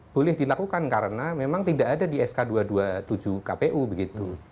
boleh dilakukan karena memang tidak ada di sk dua ratus dua puluh tujuh kpu begitu